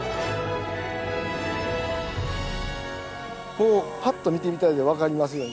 こうパッと見て頂いて分かりますようにね